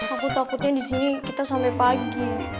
aku takutnya disini kita sampe pagi